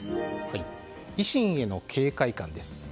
維新への警戒感です。